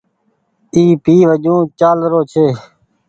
اي پي وجون ڇآل رو ڇي ۔